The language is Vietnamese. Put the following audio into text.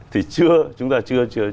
thì chúng ta chưa chú trọng đến